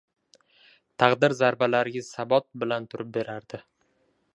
Taqdir zarbalariga sabot bilan turib berardi.